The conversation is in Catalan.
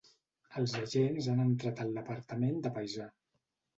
Els agents han entrat al departament de paisà.